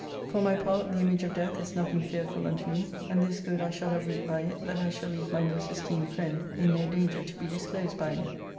For my part, the image of death is nothing fearful unto me ; and this good I shall have reaped by it, that I shall leave my most esteemed friend in no danger to be disclosed by me."